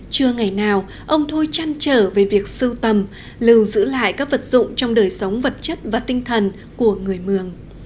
chưa ngày nào ông thôi chăn trở về việc sưu tầm lưu giữ lại các vật dụng trong đời sống vật chất và tinh thần của người mường